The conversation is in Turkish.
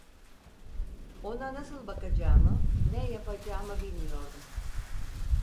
Ona nasıl bakacağımı, ne yapacağımı bilmiyordum.